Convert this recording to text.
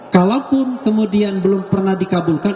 kalaupun kemudian belum pernah dikabulkan